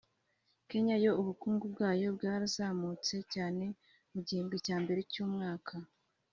Kenya yo ubukungu bwayo bwarazamutse cyane mu gihembwe cya mbere cy’ uyu mwaka